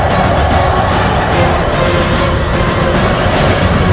dia sudah berbunuh